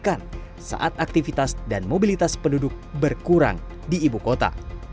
kedudukan penyelenggaraan yang menyebabkan saat aktivitas dan mobilitas penduduk berkurang di ibu kota